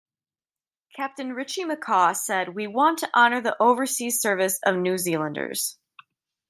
Captain Richie McCaw said We want to honour the overseas service of New Zealanders.